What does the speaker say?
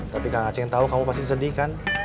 tapi kang acing tau kamu pasti sedih kan